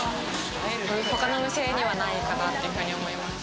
他の店にはないかなっていうふうに思います。